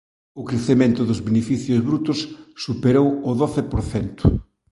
O crecemento dos beneficios brutos superou o doce por cento.